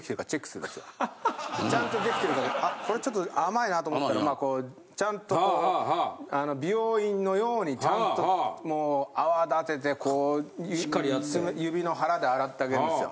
ちゃんと出来てるかでこれちょっと甘いなって思ったらちゃんとこう美容院のようにちゃんともう泡立てて指の腹で洗ってあげるんですよ。